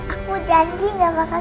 aku janji gak bakal